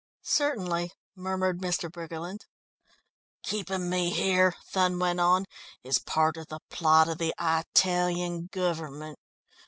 "Certainly," murmured Mr. Briggerland. "Keeping me here," Thun went on, "is part of the plot of the Italian government.